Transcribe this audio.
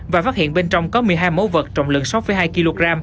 và phát hiện bên trong có một mươi hai mẫu vật trọng lượng sáu hai kg